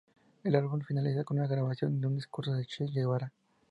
El álbum finaliza con una grabación de un discurso del Che Guevara.